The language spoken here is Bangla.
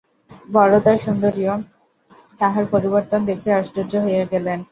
বরদাসুন্দরীও তাহার পরিবর্তন দেখিয়া আশ্চর্য হইয়া গেলেন।